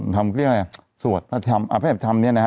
ทำเรียกอะไรสวดอาทิตย์ธรรมอาทิตย์ธรรมเนี้ยนะฮะ